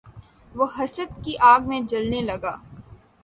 وہ حسد کی آگ میں جلنے لگا